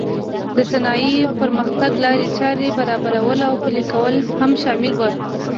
د صنایعو پرمختګ لارې چارې برابرول او پلې کول هم شامل و.